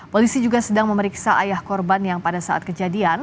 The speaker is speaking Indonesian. polisi juga sedang memeriksa ayah korban yang pada saat kejadian